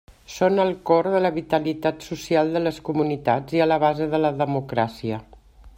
Són al cor de la vitalitat social de les comunitats i a la base de la democràcia.